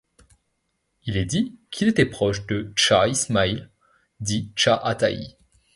Il est dit qu'il était proche de Chah Ismail dit Chah Hatayi.